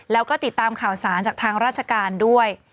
แล้วก็ติดตามข่าวสารจากทางราชการด้วย